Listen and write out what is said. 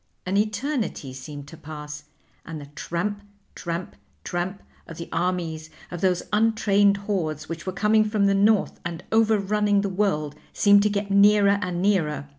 An eternity seemed to pass, and the tramp, tramp, tramp of the armies of those untrained hordes which were coming from the North and overrunning the world seemed to get nearer and nearer.